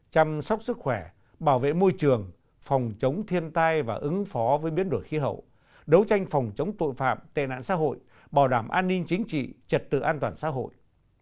chăm sóc sức khỏe bảo vệ môi trường phòng chống thiên tai và ứng phó với biến đổi khí hậu đấu tranh phòng chống tội phạm tệ nạn xã hội bảo đảm an ninh chính trị trật tự an toàn xã hội